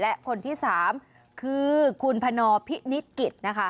และคนที่๓คือคุณพนพินิษฐกิจนะคะ